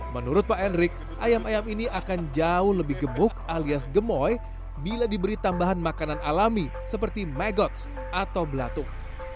menurut pak enrik ayam ayam ini akan jauh lebih gemuk alias gemoy bila diberi tambahan makanan alami seperti megots atau belatung